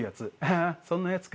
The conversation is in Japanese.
「あそんなやつか」